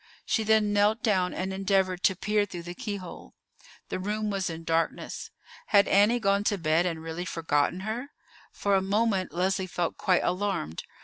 She then knelt down and endeavored to peer through the keyhole. The room was in darkness. Had Annie gone to bed and really forgotten her? For a moment Leslie felt quite alarmed.